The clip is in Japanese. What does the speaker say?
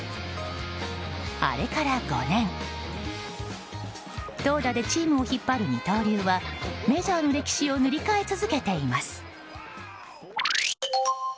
あれから５年投打でチームを引っ張る二刀流はメジャーの歴史を塗り替え続けています。